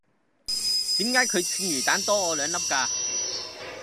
點解佢串魚蛋多我兩粒㗎?